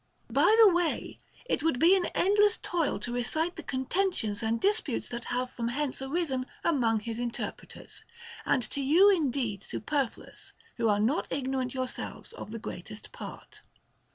By the way, it would be an endless toil to recite the con tentions and disputes that have from hence arisen among his interpreters, and to you indeed superfluous, who are not ignorant yourselves of the greatest part.